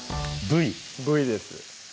部位です